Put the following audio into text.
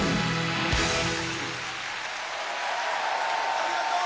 ありがとう！